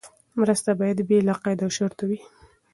مرسته باید بې له قید او شرطه وي.